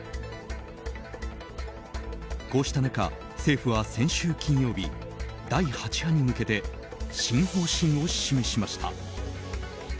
こうした中、政府は先週金曜日第８波に向けて新方針を示しました。